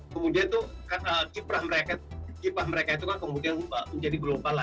kemudian itu kiprah mereka itu kan kemudian menjadi global lah